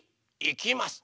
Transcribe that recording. いきます。